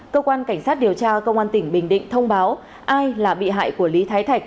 cơ quan cảnh sát điều tra công an tỉnh bình định thông báo ai là bị hại của lý thái thạch